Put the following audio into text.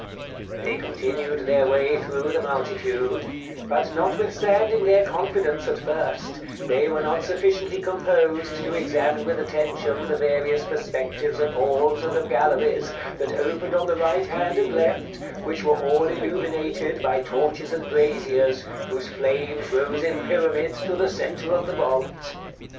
They continued their way through the multitude; but notwithstanding their confidence at first, they were not sufficiently composed to examine with attention the various perspectives of halls and of galleries that opened on the right hand and left, which were all illuminated by torches and braziers, whose flames rose in pyramids to the centre of the vault.